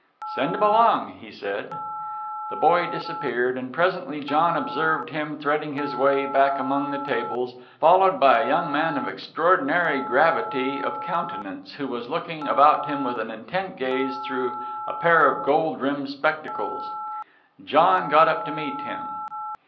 "Send him along," he said. The boy disappeared, and presently John observed him threading his way back among the tables, followed by a young man of extraordinary gravity of countenance, who was looking about him with an intent gaze through a pair of gold rimmed spectacles. John got up to meet him.